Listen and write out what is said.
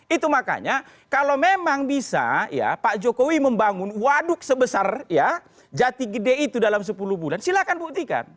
itu makanya kalau memang bisa ya pak jokowi membangun waduk sebesar ya jati gede itu dalam sepuluh bulan silahkan buktikan